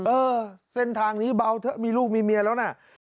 เออเส้นทางนี้เบาเถอะมีลูกมีเมียแล้วนะ